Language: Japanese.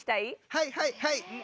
はいはいはい！